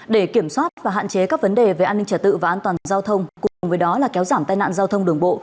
để kiểm soát và hạn chế các vấn đề về an ninh trả tự và an toàn giao thông cùng với đó là kéo giảm tai nạn giao thông đường bộ